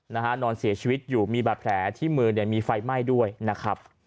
นอนเสียชีวิตอยู่มีบาดแผลที่มือเนี่ยมีไฟไหม้ด้วยนะครับ